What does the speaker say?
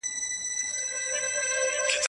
صلیبی جنګونه د مذهب په نوم ترسره سول.